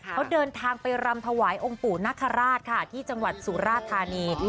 เขาเดินทางไปรำถวายองค์ปู่นคราชค่ะที่จังหวัดสุราธานี